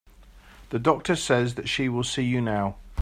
The doctor says that she will see you now.